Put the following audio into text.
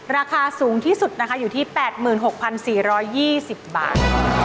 ราคาสูงที่สุดนะคะอยู่ที่๘๖๔๒๐บาท